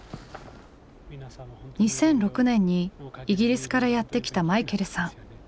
２００６年にイギリスからやって来たマイケルさん。